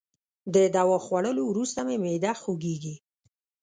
د دوا خوړولو وروسته مي معده خوږیږي.